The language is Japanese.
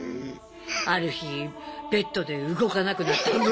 ある日ベッドで動かなくなったむ